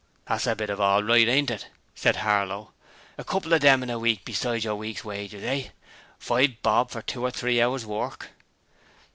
'That's a bit of all right, ain't it?' said Harlow. 'A couple of them in a week besides your week's wages, eh? Five bob for two or three hours work!'